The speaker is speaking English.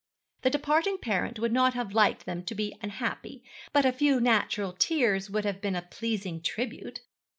The departing parent would not have liked them to be unhappy, but a few natural tears would have been a pleasing tribute.